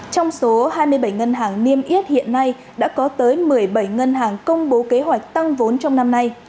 trong số hai mươi bảy ngân hàng niêm yết hiện nay đã có tới một mươi bảy ngân hàng công bố kế hoạch tăng vốn trong năm nay